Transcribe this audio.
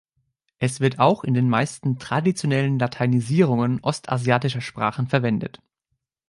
Es wird auch in den meisten traditionellen Lateinisierungen ostasiatischer Sprachen verwendet.